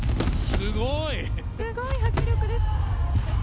すごい迫力です。